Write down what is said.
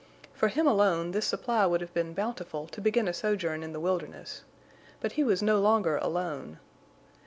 For him alone this supply would have been bountiful to begin a sojourn in the wilderness, but he was no longer alone.